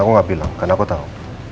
aku gak bilang karena aku tahu